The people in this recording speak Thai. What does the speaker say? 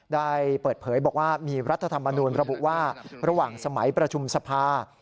ได้เปิดเผยบอกว่ามีรัฐธรรมนูญระบุว่าระหว่างสมัยประชุมสภา